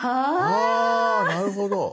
あなるほど。